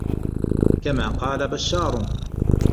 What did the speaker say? كَمَا قَالَ بَشَّارٌ